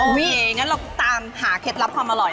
อ๋อโอเคงั้นตามหาเคล็ดลับความอร่อย